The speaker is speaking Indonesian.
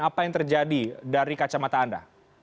apa yang terjadi dari kacamata anda